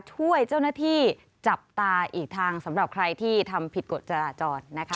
ช่วยเจ้าหน้าที่จับตาอีกทางสำหรับใครที่ทำผิดกฎจราจรนะคะ